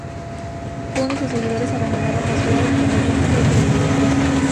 Kun y sus seguidores abandonaron la ciudad y el Terror Blanco se intensificó.